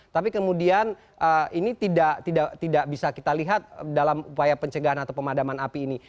tapi kemudian ini tidak bisa kita lihat dalam upaya pencegahan atau pemadaman api ini